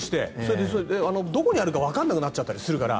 どこにあるか分からなくなったりするから。